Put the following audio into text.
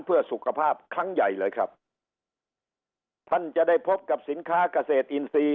เพื่อสุขภาพครั้งใหญ่เลยครับท่านจะได้พบกับสินค้าเกษตรอินทรีย์